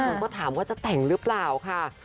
คนก็ถามว่าจะแต่งหรือเปล่าค่ะ